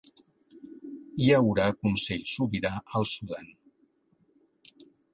Hi haurà consell sobirà al Sudan